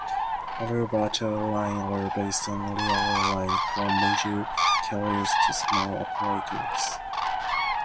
Other virtual airlines are based on real airlines, from major carriers to small operators.